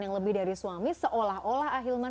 yang lebih dari suami seolah olah ahilman